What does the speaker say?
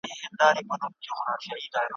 ته دي نظمونه د جانان په شونډو ورنګوه `